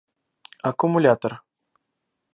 Аккумулятор